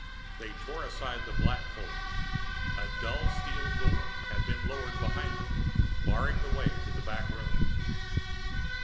They tore aside the black folds. A dull steel door had been lowered behind them, barring the way to the back rooms.